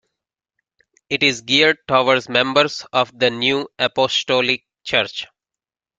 It is geared towards members of the New Apostolic Church.